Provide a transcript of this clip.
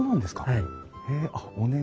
はい。